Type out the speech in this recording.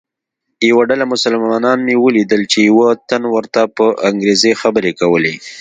یوه ډله مسلمانان مې ولیدل چې یوه تن ورته په انګریزي خبرې کولې.